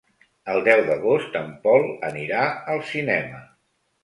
El deu d'agost en Pol anirà al cinema.